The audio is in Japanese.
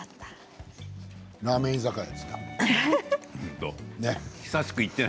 ラーメン居酒屋ですな。